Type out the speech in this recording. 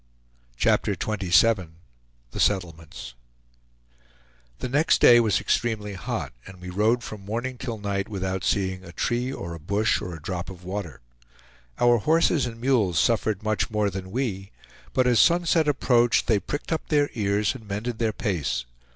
CHAPTER XXVII THE SETTLEMENTS The next day was extremely hot, and we rode from morning till night without seeing a tree or a bush or a drop of water. Our horses and mules suffered much more than we, but as sunset approached they pricked up their ears and mended their pace.